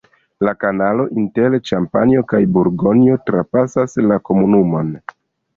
La kanalo inter Ĉampanjo kaj Burgonjo trapasas la komunumon.